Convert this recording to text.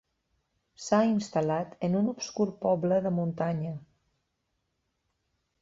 S'ha instal·lat en un obscur poble de muntanya.